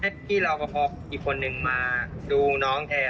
พี่รอปภอีกคนนึงมาดูน้องแทน